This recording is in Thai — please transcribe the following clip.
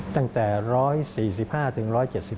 ตั้งแต่๑๔๕ถึง๑๗๒